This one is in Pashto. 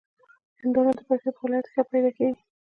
هندوانه د پکتیا په ولایت کې ښه پیدا کېږي.